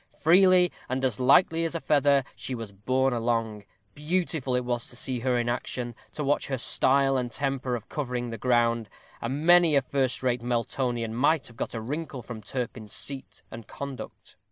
Freely, and as lightly as a feather, was she borne along; beautiful was it to see her action to watch her style and temper of covering the ground; and many a first rate Meltonian might have got a wrinkle from Turpin's seat and conduct.